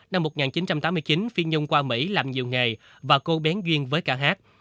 năm một nghìn chín trăm tám mươi chín phi nhung qua mỹ làm nhiều nghề và cô bén duyên với ca hát